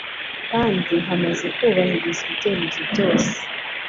kandi hamaze kubahirizwa ibyemezo byose